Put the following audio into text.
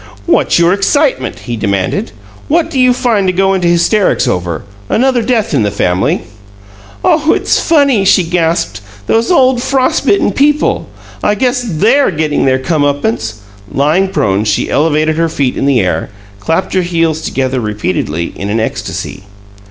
"What's your excitement?" he demanded. "What do you find to go into hysterics over? Another death in the family?" "Oh, it's funny!" she gasped. "Those old frost bitten people! I guess THEY'RE getting their come uppance!" Lying prone, she elevated her feet in the air, clapped her heels together repeatedly, in an ecstasy.